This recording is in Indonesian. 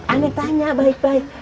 anak tanya baik baik